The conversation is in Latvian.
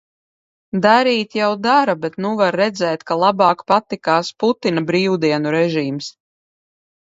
Darīt jau dara, bet nu var redzēt, ka labāk patikās Putina brīvdienu režīms.